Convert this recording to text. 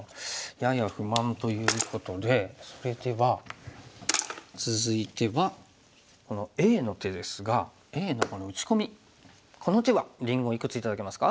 やや不満ということでそれでは続いてはこのＡの手ですがＡのこの打ち込みこの手はりんごいくつ頂けますか？